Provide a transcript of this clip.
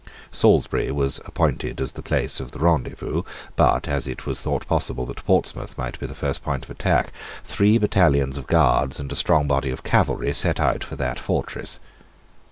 Salisbury was appointed as the place of rendezvous: but, as it was thought possible that Portsmouth might be the first point of attack, three battalions of guards and a strong body of cavalry set out for that fortress.